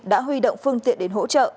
đã huy động phương tiện đến hỗ trợ